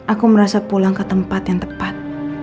aku merasa pulang ke tempat yang tepat